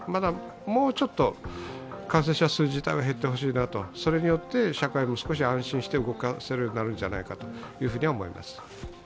もうちょっと感染者数自体は減ってほしいなと、それによって社会も少し安心して動かせるようになるんじゃないかと思います。